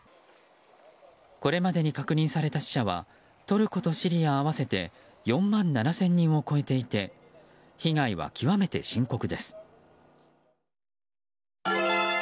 これまでに確認された死者はトルコとシリア合わせて４万７０００人を超えていて被害は極めて深刻です。